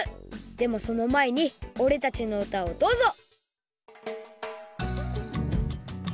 でもそのまえにおれたちのうたをどうぞ！